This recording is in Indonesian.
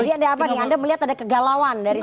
jadi ada apa nih anda melihat ada kegalauan dari